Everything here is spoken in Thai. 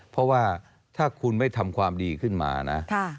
เพราะว่าถ้าคุณไม่ทำความดีขึ้นมานะ